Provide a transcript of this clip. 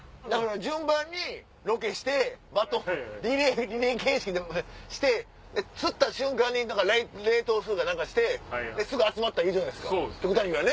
順番にロケしてバトンリレー形式でして釣った瞬間に冷凍するか何かしてすぐ集まったらいい極端に言えばね。